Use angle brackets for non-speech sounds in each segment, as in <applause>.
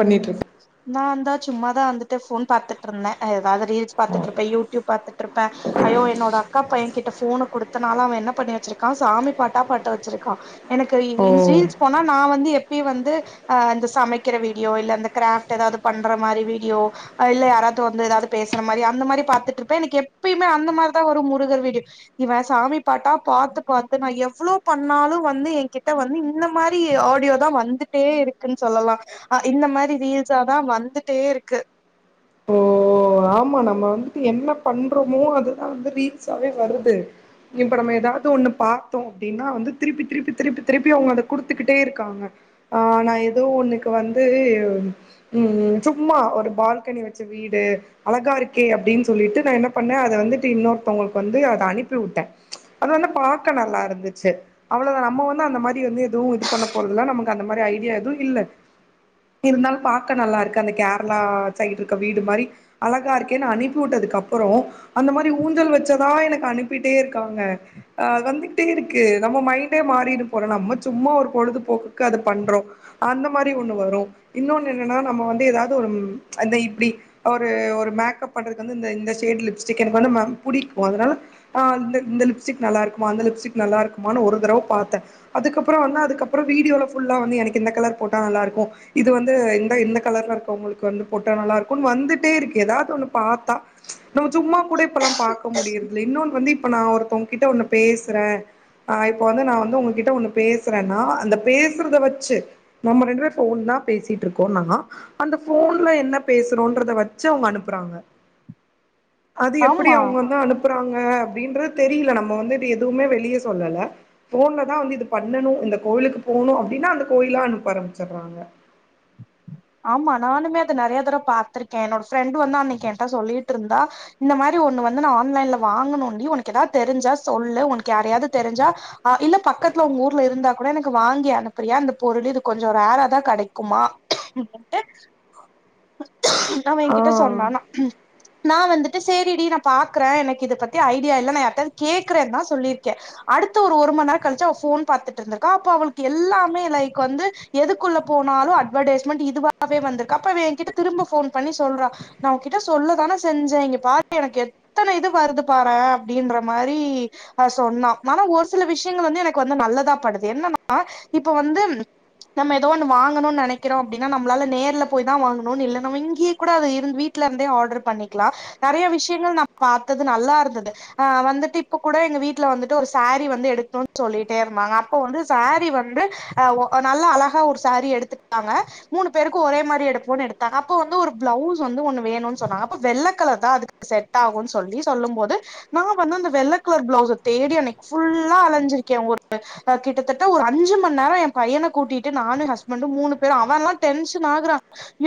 பண்ணிட்ருக்க நாந்தா சும்மாதா வந்துட்டு ஃபோன் பாத்துட்ருந்த எதாவ்து ரீல்ஸ் பாத்துட்ருப்ப யூட்யூப் பாத்து ட்ருப்ப அயோ என்னோட அக்கா பையங் கிட்ட போன குடுத்தனால அவன் என்ன பண்ணி வெச்சிருக்கா சாமி பாட்டா பாட்டு வச்சிருக்கா எனக்கு ஓ ரீல்ஸ் போனா நா வந்து எப்பயு வந்து அ இந்த சமைக்கிற வீடியோ இல்ல அந்த கிராப்ட் எதாவ்து பண்ற மாரி வீடியோ அ இல்ல யாராவ்து வந்து ஏதாவ்து பேசுற மாரி அந்த மாரி பாத்துட்ருப்பே எனக்கு எப்பயுமே அந்த மார்தா வரு முருகர் வீடியோ இவன் சாமி பாட்டா பாத்து பாத்து நா எவ்ளோ பண்ணாலு வந்து எங்கிட்ட வந்து இந்த மாரி ஆடியோ தா வந்துட்டே இருக்குன் சொல்லலா இந்த மாரி ரீல்ஸ்ஸாதா வந்துட்டே இருக்கு ஓ ஆமா நம்ம வந்துட்டு என்ன பண்றோமோ அதுதா வந்து ரீல்ஸ்ஸாவே வருது இப்ப நம்ம ஏதாவது ஒன்னு பாத்தோ அப்டின்னா வந்து திருப்பி திருப்பி திருப்பி திருப்பி அவங்க அத குடுத்துக்கிட்டே இருக்காங்க ஆ நா எதோ ஒன்னுக்கு வந்து ம் சும்மா ஒரு பால்கனி வச்ச வீடு அழகா இருக்கே அப்டின் சொல்லிட்டு நா என்ன பண்ண அத வந்துட்டு இன்னொருத்தவங்களுக்கு வந்து அத அனுப்பி விட்ட அத வந்து பாக்க நல்லாருந்துச்சு அவ்ளவுதா நம்ம வந்து அந்த மாரி வந்து எதுவு இது பண்ண போறதுல நமக்கு அந்த மாரி ஐடியா எதுவு இல்ல இருந்தாலும் பாக்க நல்லா இருக்கு அந்த கேரளா சைடு இருக்க வீடு மாரி அழகா இருக்கேன்னு அனுப்பி விட்டதுக்கப்பறோம் அந்த மாரி ஊஞ்சல் வச்சதா எனக்கு அனுப்பிட்டே இருக்காங்க ஆ வந்துட்டே இருக்கு நம்ம மைண்டே மாறி டு போல நம்ம சும்மா ஒரு பொழுதுபோக்குக்கு அது பண்றோ அந்த மாரி ஒண்ணு வரும் இன்னொன்னு என்னன்னா நம்ம வந்து ஏதாவது ஒரு அத இப்டி ஒரு மேக்கப் பண்றது வந்து இந்த ஷேட் லிப்ஸ்டிக் எனக்கு வந்து மம் புடிக்கும் அனால ஆ இந்த லிப்ஸ்டிக் நல்லா இருக்குமா அந்த லிப்ஸ்டிக் நல்லா இருக்குமான்னு ஒரு தடவ பார்த்தே அதுக்கப்புறம் வந்து அதுக்கப்புற வீடியோல புல்லா வந்து எனக்கு எந்த கலர் போட்டா நல்லா இருக்கோ இது வந்து எ எந்த கலர்ல இருக்க வங்களுக்கு வந்து போட்டா நல்லா இருக்கும்னு வந்துட் டே இருக்கு ஏதாது ஒண்ணு பார்த்தா நம்ம சும்மா கூட இப்பெல்லாம் பாக்க முடியுற்துல இன்னொன்னு வந்து இப்ப நா ஒருத்தவங்க கிட்ட ஒன்னு பேசுறே ஆ இப்ப வந்து நான் வந்து உங்ககிட்ட ஒண்ணு பேசுறேன்னா அந்த பேசுறத வச்சு நம்ம ரெண்டு பே போன் தான் பேசிட்டு இருக்கோம் நா அந்த போன்ல என்ன பேசுறோன்றத வ ச்சி அவுங்க அனுப்புறாங்க அது எப்டி ஆமா அவுங்க வந்து அனுப் றாங்க அப்டின்றத தெரில நம்ம வந்து எதுவுமே வெளியே சொல்லல போன்லதா வந்து இது பண்ணணும் இந்த கோயிலுக்கு போகணு அப்டின்னா அந்த கோயிலா அனுப்ப ஆரம்பிச்சிடுறாங்க ஆமா நானுமே அதை நிறையதடவ பா்த்திருக்கேன் என்னோட ஃப்ரெண்ட் வந்து அன்னிக்கு என்கிட்ட சொல்லிட்டு இருந்தா இந்த மாரி ஒண்ணு வந்து நான் ஆன்லைன்ல வாங்கனு டீ உனக்கு ஏதாவது தெரிஞ்சா சொல்லு உனக்கு யாரையாது தெரிஞ்சா ஆ இல்ல பக்கத்துல உங்க ஊர்ல இருந்தா கூட எனக்கு வாங்கி அனுப்பறியா இந்த பொருள் இது கொஞ்சம் ரேரா தான் கிடைக்குமா ன்ட்டு அவ என்கிட்ட ஆ சொன்னானா நான் வந்துட்டு சேரிடி நான் பாக்குறே எனக்கு இதை பத்தி ஐடியா இல்ல நான்யாராவது கேக்குறேன்னு தான் சொல்லிருக்கேன் அடுத்து ஒரு ஒரு மணி நேரம் கழிச்சு அவ போன் பார்த்துட்டு இருந்திருக்கா அப்ப அவளுக்கு எல்லாமே லைக் வந்து எதுக்குள்ள போனாலும் அட்வெர்ட்டிஸ்ட்மெண்ட் இதுவாவே வந்திருக்கு அப்போ என் கிட்ட திரும்ப போன் பண்ணி சொல்றா. நான் உகிட்ட சொல்ல தானே செஞ்சேன் இங்க பாரு எனக்கு எத்தன இது வருது பாறேன் அப்டின்ற மாரி அ சொன்னா‌ ஆனா ஒரு சில விஷயங்கள் வந்து எனக்கு வந்து நல்லதா படுது என்னன்னா இப்ப வந்து நம்ம ஏதோ ஒன்னு வாங்கணும்னு நினைக்க க்கிறோ அப்டின்னா நம்மலாலே நேர்ல போய் தான் வாங்கணும்னு இல்ல நம இங்கேயே கூட அதே வீட்ல இருந்தே ஆர்டர் பண்ணிக்கலாம் நிறைய விஷயங்கள் நா பார்த்தது நல்லா இருந்தது அ வந்துட்டு இப்ப கூட எங்க வீட்ல வந்துட்டு ஒரு சாரீ வந்து எடுக்கணுன்னு சொல்லிட்டே இருந்தாங்க அப்போ வந்து சாரீ வந்து அ நல்லா அழகா ஒரு சாரி எடுத்துகிட்டாங்க மூணு பேருக்கு ஒரே மாரி எடுப்போன்னு எடுத்தாங் அப்ப வந்து ஒரு பிளவுஸ் வந்து ஒண்ணு வேணும்னு சொன்னாங்க அப்ப வெள்ளை கலர் தான் அதுக்கு செட் ஆகுன்னு சொல்லி சொல்லும் போது நான் வந்து அந்த வெள்ளை கலர் பிளவுஸை தேடி அன்னிக்கி ஃபுல்லா அலைஞ்சிருக்கேன் ஒருத்த கிட்டத்தட்ட ஒரு அஞ்சு மண்நேரோ என் பையன கூட்டிட்டு நானும் என் ஹஸ்பண்ட்டும் மூனு அவ எல்லா டென்ஷன் ஆகுறான்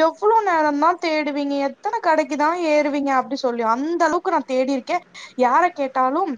எவ்ளோ நேரந்தான் தேடுவீங்க எத்தனை கடைக்குதான் ஏறுவீங்க அப்டி சொல்லி அந்த அளவுக்கு நான் தேடியிருக்கே யார கேட்டாலும்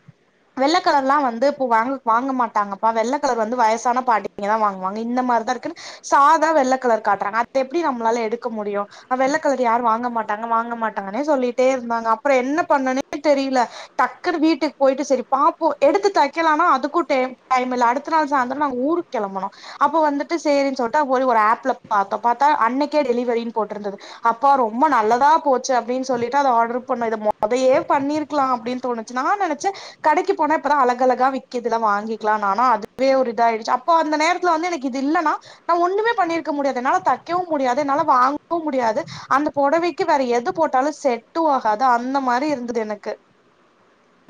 வெள்ளை கலர் எல்லா வந்து இப்போ வாங் வாங்க மாட்டாங்கப்பா வெள்ளை கலர் வந்து வயசான பாட்டி ங்க தான் வாங்குவாங்க இந்த மாரிதான் இருக்குன்னு சாதா வெள்ளை கலர் காட்டுறாங்க அத்தெப்படி நம்மளால எடுக்க முடியும் ஆ வெள்ளக்கலர் யாரும் வாங்க மாட்டாங்க வாங்க மாட்டாங்கன்னே சொல்லிட்டே இருந்தாங்க அப்பறோ என்ன பண்ணனுனே தெரில டக்குனு வீட்டுக்கு போயிட்டு சரி பாப்போம் எடுத்து தைக்கலான அதுக்கு டே டைம் இல்ல அடுத்த நாள் சாயந்திரம் நா ஊருக்கு கிளம்பனு அப்ப வந்துட்டு சேரின்னு சொல்ட்டு போய் ஒரு ஆப்லே பார்த்தோம் பார்த்தா அன்னைக்கே டெலிவரின்னு போட்டிருந்தது அப்பா ரொம்ப நல்லதா போச்சு அப்டின்னு சொல்லிட்டு அத ஆர்டர் பண்ணோ இத மொதலே பண்ணிரு கலாம் அப்டின்னு தோணிச்சு நா நெனச்சே கடக்கி போனா இப்பதா அழகழகா விக்கிதுல வாங்கிக்கலா ஆனா அதுவே ஒரு இத ஆயிடுச்சி அப்ப அந்த நேரத் துல வந்து எனக்கிது இல்லன்னா நா ஒண்ணுமே பண்ணிருக்க முடியாது என்னால தக்கயு முடியாது என்னால வாங்கவும் முடியாது அந்த பொடவைக்கு வேற எது போட்டாலும் செட்டும் ஆகாது அந்த மாரி இருந்துது எனக்கு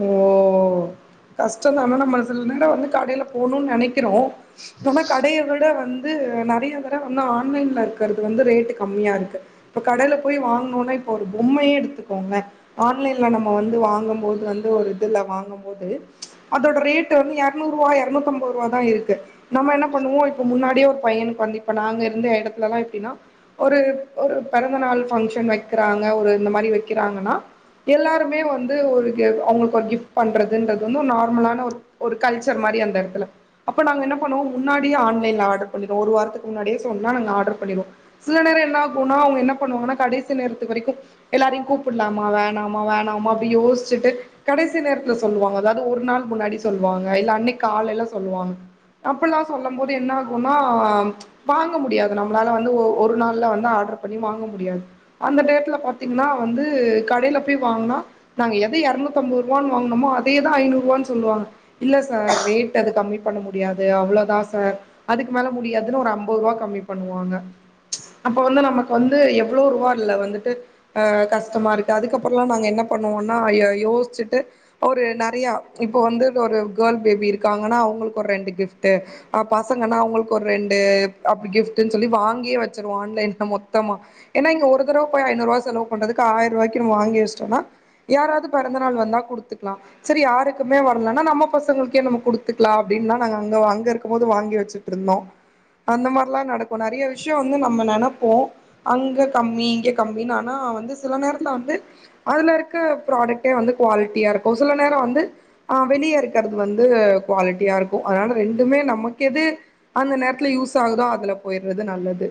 ஓ கஷ்டந்தான நம்மள சில நேரம் வந்து கடைல போணுன்னு நெனக்கிறோ இல்லன்னா கடைய விட வந் இது நறைய தட வந்து ஆன்லைன்ல இருக்கற்து வந்து ரேட்டு் கம்மியாருக்கு இப்ப கடைல போய் வாங்னும்னா இப்ப ஒரு பொம்மையே எடுத்துக்கோங்க ஆன்லைன்ல நம்ப வந்து வாங்கும் போது வந் ஒரு இதுல வாங்கும் போது அதோட ரேட்டு வந்து எர்நூறுவா எர்நூத்தம்பது ரூவாதா இருக்கு நம்ப என்ன பண்ணுவோ இப்ப முன்னாடியே ஒரு பையனுக்கு வந்து இப்ப நாங்க இருந்த எடத்துலல்லாம் எப்டினா ஒரு ஒரு பெறந்தநாள் ஃபங்க்ஷன் வெக்கிறாங்க ஒரு இந்த மாரி வெக்கிறாங்ன்னா எல்லாருமே வந்து ஒரு கேவா அவுங்ளுக்கு ஒரு கிஃப் பண்றதுன்றது வந்து நார்மலான ஒரு ஒரு கல்ச்சர் மாரி அந்த எடத்துல அப்போ நாங்க என்ன பண்ணுவோ முன்னாடியே ஆன்லைன்ல ஆர்டர் பண்ணிருவோ ஒரு வாரத்துக்கு முன்னாடியே சொன்னா நாங்க ஆர்டர் பண்ணிருவோ சில நேரம் என்ன ஆகும்ன்னா அவுங்க என்ன பண்ணுவாங்கன்னா கடைசி நேரத்து வரைக்கு எல்லாரையு கூப்புட்லாமா வேணாமா வேணாமா அப்டி யோஷ்ச்சுட்டு கடைசி நேரத்ல சொல்லுவாங்க அதாவ்து ஒரு நாள் முன்னாடி சொல்லுவாங்க இல்ல அன்னைக் காலைல்ல சொல்லுவாங்க அப்பல்லாம் சொல்லும் போது என்ன ஆகும்னா வாங்க முடியாது நம்மளால வந்து ஒரு நாள்ல வந்து ஆர்டர் பண்ணி வாங்க முடியாது அந்த டேட்ல பாத்தீங்ன்னா வந்து கடைல போய் வாங்னா நாங்க எத எரநூத் தம்பதுரூவா வாங்னமோ அதேதா ஐநூறுரூவான்னு சொல்லுவாங்க இல்ல சார் ரேட் அது கம்மி பண்ண முடியாது அவ்ளோதா சார் அதுக்கு மேல முடியாதுன்னு ஒரு அம்பது ரூவா கம்மி பண்ணுவாங்க அப்ப வந்து நமக்கு வந்து எவ்ளோரூவா இல்ல வந்துட்டு அ கஷ்டமாருக்கு அதுக்கப்றோலா நாங்க என்ன பண்ணுவோம்னா யோஷ்ச்சுட்டு ஒரு நெறையா இப்ப வந்து ஒரு கேர்ள் பேபி இருக்காங்கன்னா அவுங்களுக் ஒரு ரெண்டு கிஃப்ட்டு அ பசங்கன்னா அவுங்களுக்கு ஒரு ரெண்டு அப்டி கிஃப்டுன்னு சொல்லி வாங்கியே வச்சருவோ ஆன்லைன்ல மொத்தமா ஏன்னா இங்க ஒரு தரவ போய் ஐநூறுவா செலவு பண்ணதுக்கு ஆயிரரூவாய்க்கு வாங்கி வச்ட்டோனா யாராவ்து பெறந் த நாள் வந்தா குடுத்துக்கலா சரி யாருக்குமே வர்லன்னா நம்ம பசங்களுக்கே நம்ம குடுத்துக்கலா அப்டின்லா நாங்க அங்கருக்கும் போது வாங்கி வச்சுட்ருந்தோ அந்த மாரிலாம் நடக்கும் நறைய விஷ் யோ வந்து நம்ம நெனப்போ அங்க கம்மி இங்க கம்மினு ஆனா வந்து சில நேரத்துல வந்து அதுலருக்க ப்ராடக்ட்டே வந்து குவாலிட்டியா இருக்கும் சில நேரம் வந்து ஆ வெளிய இருக்கற்து வந்து குவாலிட்டியா இருக்கும் அதனால ரெண்டுமே நமக்கெது அந்த நேரத்ல யூஸ் ஆகுதோ அதுல போய்றது நல்லது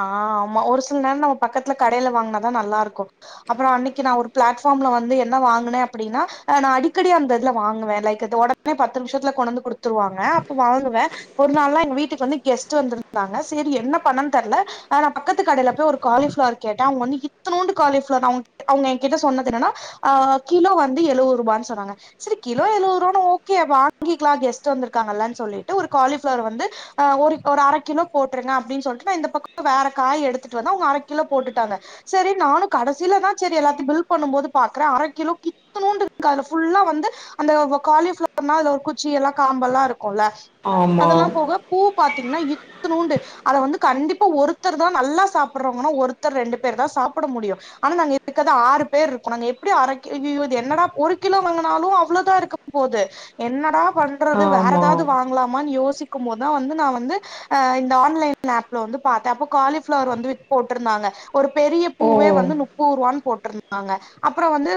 ஆ ஆமா ஒரு சில நேரம் நம்ம பக்கத்துல கடைல வாங்னாதா நல்லாருக்கும் அப்புறம் அன்னக்கி நா ஒரு பிளாட்ஃபார்ம்ல வந்து என்ன வாங்னே அப்படின்னா ஆ நா அடிக்கடி அந்த இதுல வாங்குவே லைக் அது பத்து நிம்ஷத்துல கொண்டு வந்து குடுத்துருவாங்க அப்ப வாங்குவே ஒரு நாள்தா எங்க வீட்டுக்கு வந்து கெஸ்ட்டு வந்திருந்தாங்க செரி என்ன பண்ணனு தெர்ல ஆனா பக்கத்து கடைல போய் ஒரு காலிஃப்ளவர் கேட்டே அங்க வந்து இத்துனுன்ட்டு காலிஃப்ளவர் அவுங்க எங்கிட்ட சொன்னது என்னதுன்னா அ கிலோ வந்து எழுபதுரூபான்னு சொன்னாங்க சரி கிலோ எழுவரூபானா ஓகே வாங்கிக்லா கெஸ்ட்டு வந்திருக்காங்கள்ல சொல்லிட்டு ஒரு காலிஃபிளவர் வந்து ஆ ஒரு அர கிலோ போட்ருங்க அப்டின் சொல்ட்டு ஆனா இந்த பக்கம் வேற காய் எடுத்துட்டு வந்த அவுங்க அர கிலோ போட்டுட்டாங்க செரி நானு கடைசிலதா சரி எல்லாத்தையும் பில் பண்ணும் போது பாக்குற அரை கிலோ கித்தணுண்ட்டு இருக்கு அதுல ஃபுல்லா வந்து அந்த காலிஃப்ளவர்னா அது ஒரு குச்சில்லா காம்பெல்லா இருக்கும்ல ஆமா அதெல்லா போக பூ பாத்தீங்கன்னா இத்துலூண்டு அத வந்து கண்டிப்பா ஒருத்தர்தா நல்லா சாப்றவங்கன்னா ஒருத்தர் ரெண்டு பேர்தா சாப்ட முடியு ஆனா நாங்க இருக்கது ஆறு பேர் இருக்கோ எப்டி அரகீ இது என்னடா ஒரு கிலோ வாங்கினாலு அவ்ளோதா இருக்கு போது என்னடா பண் வேற ஆமா ஏதாவது வாங்கலாமானு யோசிக்கும் போதா வந்து நா வந்து ஆ இந்த ஆன்லைன் ஆப்ல வந்து பாத்த அப்ப காலிஃபிளவர் வந்து போட்டுருந்தாங்க ஒரு பெரிய ஓ பூவே வந்து நுப் பூர்வான் போட்ருந்தாங்க அப்பற வந்து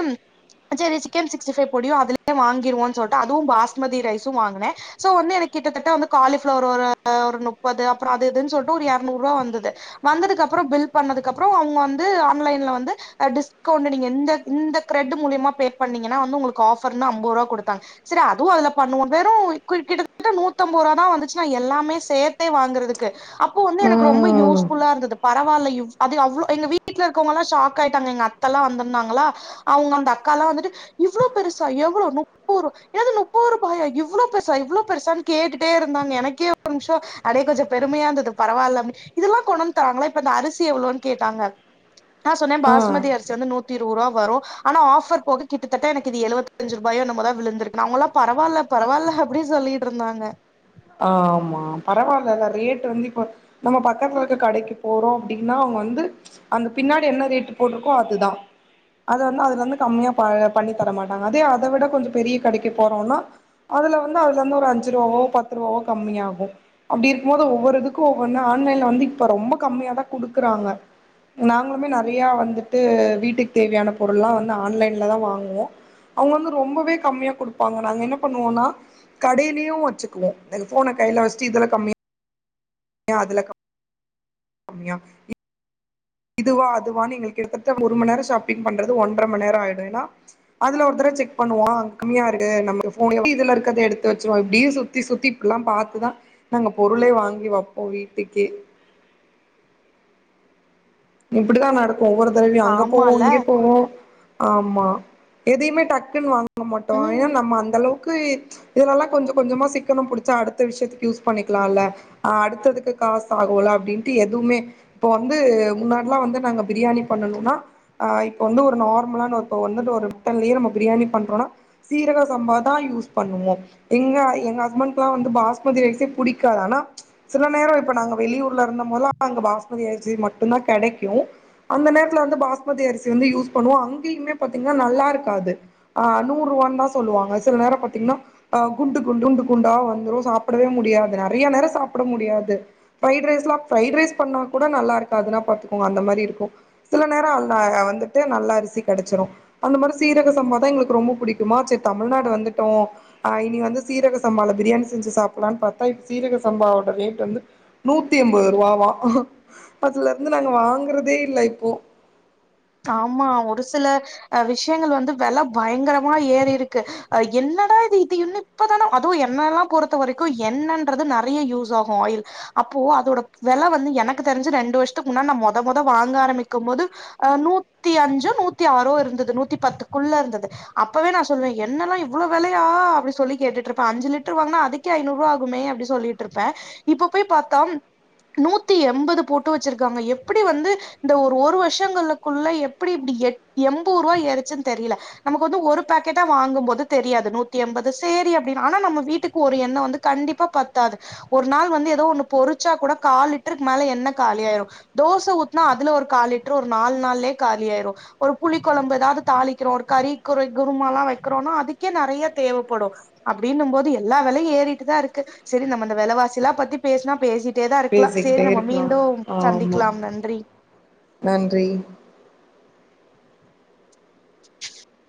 சேரி சிக்கன் சிக்ஸ்டி ஃபைவ் பொடியு அதுலயே வாங்கிருவோனு சொல்ட்டு அதுவு பாஸ்மதி ரைஸு வாங்கன சோ வந்து எனக்கு கிட்டத்தட்ட வந்து காலிஃபிளவர் ஒரு ஒரு நுப்பது அப்பற ததுன் சொல்ட்டு ஒரு எரநூறு ரூபா வந்துது வந்ததுக்கு அப்பற பில் பண்ணதுக்கு அப்பற அவுங்க வந்து ஆன்லைன்ல வந்து அ‌ டிஸ்கவுண்ட் நீங்க இந்த இந்த கிரெட் மூலியமா பே பண்ணீங்கன்னா வந்து உங்களுக்கு ஆஃபர்னு அம்பது ரூபா குடுத்தாங்க சரி அதுவு அதுல பண்ணுவோ வெறும் கி கிட்டத்தட்ட நூத்தம்பது ரூபாதா வந்துச்சுன்னா எல்லாமே சேத்தே வாங்கறதுக்கு அப்போ வந்து எனக்கு ரொம்ப ம் யூஸ்ஃபுல்லா இருந்தது பரவாயில்ல இவ் அது அவ்ளோ எங்க வீட்டுல இருக்கவங்கல்லா ஷாக் ஆயிட்டாங்க எங்க அத்தல்லா வந்தருந்தாங்களா அவுங்க அந்த அக்கால்லா வந்துட்டு இவ்வளோ பெருசா எவ்வளோ நுப்பது ரூவா ஏது நுப்பது ரூபாயா இவ்வளோ பெருசா இவ்வளோ பெருசான்னு கேட்டுட்டே இருந்தாங்க எனக்கே ஒரு நிமிஷொ அடே கொஞ்சொ பெருமையா இந்தது பரவால்ல இதெல்லா கொண்டு வந்து தராங்களா இப்ப இந்த அரிசி எவ்ளோன் கேட்டாங்க நா சொன்னே ஆ பாஸ்மதி அரிசி வந்து நூத்தி இருவது ரூவா வரு ஆனா ஆஃபர் போக கிட்டத்தட்ட எனக்கு இது எழுபத்தஞ்சு ரூபாயோ என்னமோதா விழுந்துருக்குனு அவங்கள்ளா பரவால்ல பரவால்ல அப்டி சொல்லிட்டுருந்தாங்க ஆ ஆமா பரவால்லதா ரேட் வந்து இப்ப நம்ம பக்கத்துல இருக்க கடைக்குப் போறோ அப்டின்னா அவுங்க வந்து அந்த பின்னாடி என்ன ரேட்டு் போட்ருக்கோ அதுதா அத வந்து அதுலருந்து கம்மியா ப பண்ணித் தரமாட்டாங்க அதே அத விட கொஞ்சொ பெரிய கடைக்குப் போறோன்னா அதுல வந்து அதுலருந்து ஒரு அஞ்சு ரூவாவோ பத்து ரூவாவோ கம்மியாகு அப்டி இருக்கும்போது ஒவ்வொரு இதுக்கு ஒவ்வொன்னு ஆன்லைன்ல வந்து இப்ப ரொம்ப கம்மியாதா குடுக்கறாங்க நாங்களுமே நெறையா வந்துட்டு வீட்டுக்குத் தேவையான பொருள்லா வந்து ஆன்லைன்ல தா வாங்குவோ அவுங்க வந்து ரொம்பவே கம்மியாக் குடுப்பாங்க நாங்க என்ன பண்ணுவோன்னா கடைலயு வச்சு <unintelligible> ஃபோனக் கைல வச்ட்டு இதுல கம்மியா ஏ அதுல கம் மியா இதுவா அதுவானு எங்களுக்கு கிட்டத்தட்ட ஒரு ம நேரொ ஷாப்பிங் பண்றது ஒன்ற ம நேர ஆயிடு ஏன்னா அதுல ஒரு தடவ செக் பண்ணுவோ ஆ கம்மியா இருக்கு நம்ம ஃபோன் இப்டி இதுல இருக்கறத எடுத்து வெச்சருவோ இப்டி சுத்தி சுத்தி அப்டிலா பாத்துதா நாங்க பொருளே வாங்கி வெப்போ வீட்டுக்கே இப்டிதா நடக்கு ஒவ்வொரு தடவையு அங்க போவோ ஆமால்ல இங்க போவோ ஆமா எதையுமே டக்குன்னு வாங்க மாட்டோ ஏன்னா ம் நம்ம அந்தளவுக் க்கு இதுலெல்லா கொஞ்சொ கொஞ்சமா சிக்கனம் புடிச்சு அடுத்த விஷயத்துக்கு யூஸ் பண்ணிக்கலால்ல ஆ அடுத்ததுக்கு காசு ஆகுல அப்டின்ட்டு எதுமே இப்போ வந்து இது மாதிரி எல்லா வந்து நாங்க பிரியாணி பண்ணனுன்னா ஆ இப்ப வந்து ஒரு நார்மலான ஒரு இப்ப வந்துட்டு ஒரு மட்டன்லயே நம்ம பிரியாணி பண்றோனா சீரக சம்பாதா யூஸ் பண்ணுவோ இங்க எங்க ஹஸ்பண்ட்க்கெல்லா வந்து பாஸ்மதி ரைசே புடிக்காது ஆனா சில நேரோ இப்ப நாங்க வெளியூர்ல இருந்த போதுல்லா அங்க பாஸ்மதி அரிசி மட்டுந்தா கெடைக்கு அந்த நேரத்துல வந்து பாஸ்மதி அரிசி வந்து யூஸ் பண்ணுவோ அங்கயுமே பாத்தீங்கன்னா நல்லாருக்காது ஆ நூர் ரூவான்தா சொல்லுவாங்க சில நேரோ பாத்தீங்னா அ குண்டு குண்டுண்டு குண்டா வந்துரு சாப்டவே முடியாது நெறைய நேரோ சாப்ட முடியாது ஃப்ரைட் ரைஸ்லா ஃப்ரைட் ரைஸ் பண்ணாக் கூட நல்லாருக்குதுன்னா பாத்துக்கோங்க அந்த மாரி இருக்கு சில நேரோ அல்லா வந்துட்டு நல்ல அரிசி கெடச்சிரு அந்த மாரி சீரக சம்பாதா எங்ளுக்கு ரொம்ப புடிக்குமா செரி தமிழ்நாடு வந்துட்டோ ஆ இனி வந்து சீரக சம்பால பிரியாணி செஞ்சு சாப்பல்லான் பாத்தா இப்ப சீரக சம்பாவோட ரேட் வந்து நூத்தி எம்பது ரூவாவா அதுலருந்து நாங்க வாங்கறதே இல்ல இப்போ ஆமா ஒரு சில விஷயங்கள் வந்து வெல பயங்கரமா ஏறி இருக்கு என்னடா இது இது இன்னு இப்பதானே அதுவு எண்ணெல்லா பொறுத்த வரைக்கும் எண்ணென்றது நெறைய யூஸ் ஆகு ஆயில் அப்போ அதோட வெல வந்து எனக்கு தெரிஞ்சி ரெண்டு வருஷத்துக்கு முன்ன நா மொத மொத வாங்க ஆரம்பிக்கும் போது ஆ நூத்தி அஞ்சோ நூத்தி ஆறோ இருந்தது நூத்தி பத்துக்குள்ள இருந்தது அப்பவே நா சொல்வே எண்ணெல்லா இவ்ளோ வெலையா அப்டி சொல்லி கேட்டுட்டு இருப்பே அஞ்சி லிட்டர் வாங்கனா அதுக் கே ஐநூறு ரூபா ஆகுமே அப்டி சொல்லிட்டு இருப்பே இப்ப போய் பாத்தா நூத்தி எண்பது போட்டு வெச்சிருக்காங்க எப்டி வந்து இந்த ஒரு ஒரு வர்ஷங்கள்லு குள்ள எப்டி இப்டி எட் எண்பது ரூபா ஏறுச்சின்னு தெரியில நமக்கு வந்து ஒரு பாக்கெட்டா வாங்கும் போது தெரியாது நூத்தி எண்பது செரி அப்டின்னு ஆனா நம்ம வீட்டுக்கு ஒரு எண்ண வந்து கண்டிப்பா பத்தாது ஒரு நாள் வந்து ஏதோ ஒண்ணு பொறிச்சா கூட கால் லிட்டருக்கு மேல எண்ண காலி ஆயிரு தோச ஊத்னா அதுல ஒரு கால் லிட்டர் ஒரு நால் நாள்லே காலி ஆயிரு ஒரு புளி குழம்பு ஏதாவது தாளிக்கிறோ ஒரு கறி குறை குரும ல்லா வக்கிறோன்னா அதுக்கே நெறைய தேவப்படு அப்டின்னும் போது எல்லா வெலையு ஏறிட்டுதா இருக்கு செரி நம்ம அந்த வெலவாசில்லா பத்தி பேசினா பேசிட் ட்டேதா இருக்கலா செரி பேசிக்கிட்டே நம்ம இருக்கலா மீண்டும் ஆமா சந்திக்கலாம் நன்றி நன்றி